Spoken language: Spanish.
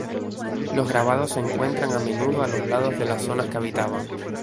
Los grabados se encuentran a menudo a los lados de las zonas que habitaban.